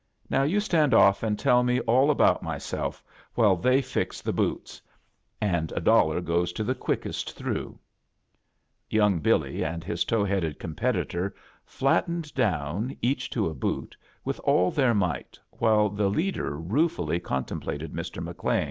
Now you stand off and tell^ me all about myself while they fix the' A JOURNEY IN SEARCH OF CHRISTMAS boots — and a dollar goes to the quickest through." Yotmg BiHy and his tow headed com petitor flattened down, each to a boot, with all their might, while the leader rue fully contemplated ISi. McLean.